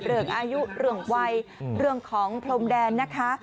เรื่องอายุเรื่องวัยเรื่องของพรมแดนนะคะ